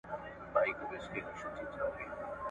شرنګول د دروازو یې ځنځیرونه !.